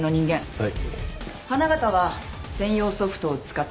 はい。